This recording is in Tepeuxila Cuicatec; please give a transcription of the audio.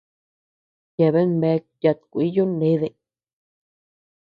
Yeabean bea yat kúiyu nede.